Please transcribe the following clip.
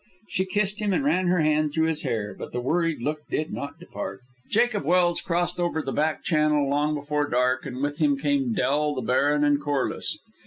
She kissed him and ran her hand through his hair, but the worried look did not depart. Jacob Welse crossed over the back channel long before dark, and with him came Del, the baron, and Corliss.